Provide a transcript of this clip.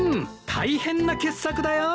大変な傑作だよ。